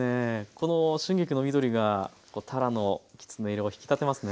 この春菊の緑がたらのきつね色を引き立てますね。